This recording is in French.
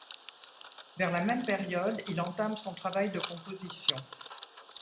Vers la même période il entame son travail de composition.